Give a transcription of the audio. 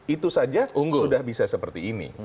itu saja sudah bisa seperti ini